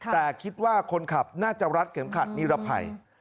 แต่คิดว่าคนขับน่าจะรัดเข็มขัดนิรภัย